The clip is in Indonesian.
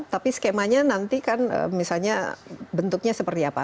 tapi skemanya nanti kan misalnya bentuknya seperti apa